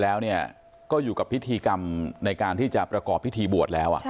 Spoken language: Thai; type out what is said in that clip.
แล้วก็อยู่กับพิธีกรรมในการที่จะประกอบพิธีบวชแล้ว